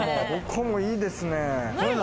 ここもいいですね。